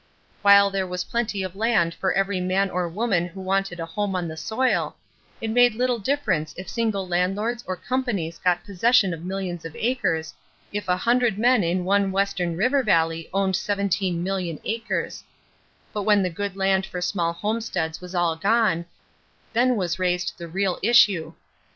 While there was plenty of land for every man or woman who wanted a home on the soil, it made little difference if single landlords or companies got possession of millions of acres, if a hundred men in one western river valley owned 17,000,000 acres; but when the good land for small homesteads was all gone, then was raised the real issue.